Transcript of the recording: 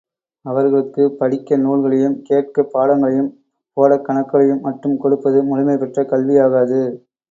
அவர்களுக்குப் படிக்க நூல்களையும், கேட்கப் பாடங்களையும், போடக் கணக்குகளையும் மட்டும் கொடுப்பது முழுமை பெற்ற கல்வியாகாது.